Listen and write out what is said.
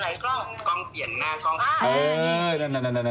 ในกล้องกล้องเปลี่ยนงานกล้องห้า